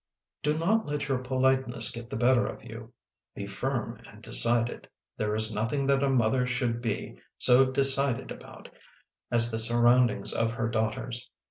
" Do not let your politeness get the better of you. Be firm and decided. There is nothing that a mother should be so decided about as the surroundings of her daughters.